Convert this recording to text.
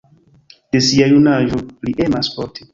De sia junaĝo li emas sporti.